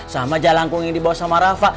sama jalangkung yang dibawa sama rafa